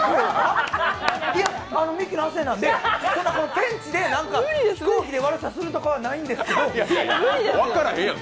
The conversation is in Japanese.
いや、ミキの亜生なんで、ペンチで飛行機で悪さするとかはないんですけど。